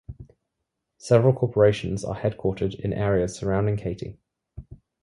Several corporations are headquartered in areas surrounding Katy.